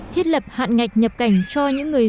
thiết lập hạn ngạch nhập cảnh cho những người